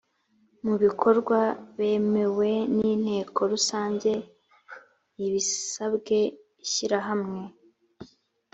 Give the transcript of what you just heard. mu bikorwa bemewe n inteko rusange ibisabwe ishyirahamwe